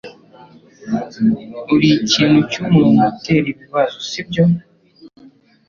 Urikintu cyumuntu utera ibibazo, sibyo?